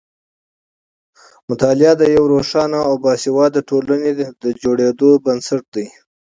مطالعه د یوې روښانه او باسواده ټولنې د جوړېدو بنسټ دی.